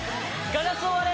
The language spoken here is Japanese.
「ガラスを割れ！」